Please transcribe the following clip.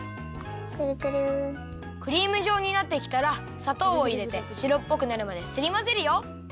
クリームじょうになってきたらさとうをいれてしろっぽくなるまですりまぜるよ。